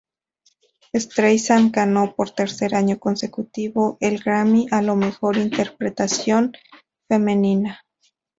Streisand ganó, por tercer año consecutivo, el Grammy a la mejor interpretación femenina.